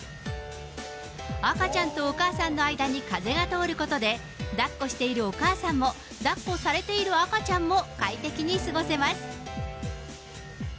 赤ちゃんとお母さんの間に風が通ることで、だっこしているお母さんも、抱っこされているあかちゃんも、快適に過ごせます。